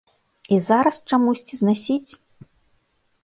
І зараз чамусьці знасіць?